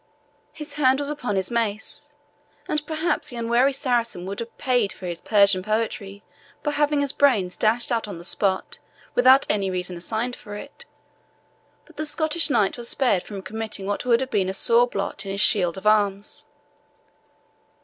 His hand was upon his mace, and perhaps the unwary Saracen would have been paid for his Persian poetry by having his brains dashed out on the spot, without any reason assigned for it; but the Scottish Knight was spared from committing what would have been a sore blot in his shield of arms.